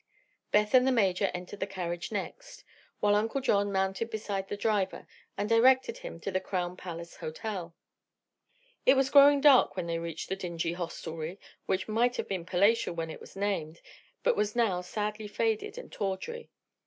Beth and the Major entered the carriage next, while Uncle John mounted beside the driver and directed him to the Crown Palace Hotel. It was growing dark when they reached the dingy hostelry, which might have been palatial when it was named but was now sadly faded and tawdry.